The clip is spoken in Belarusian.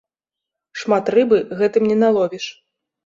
Шмат рыбы гэтым не наловіш.